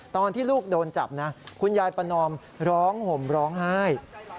ตอนที่ลูกโดนจับนะคุณยายประนอมร้องห่มร้องไห้